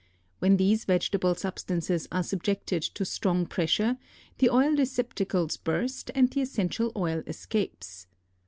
When these vegetable substances are subjected to strong pressure, the oil receptacles burst and the essential oil escapes.